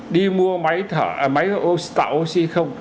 đi mua máy tạo oxy không